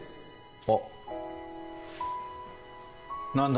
あッ何だ？